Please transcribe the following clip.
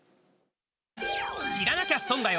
知らなきゃ損だよ！